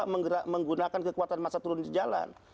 menggunakan kekuatan masa turun di jalan